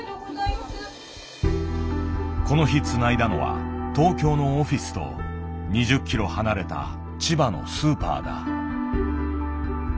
この日つないだのは東京のオフィスと２０ｋｍ離れた千葉のスーパーだ。